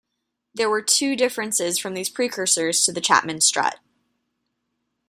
There were two differences from these precursors to the Chapman strut.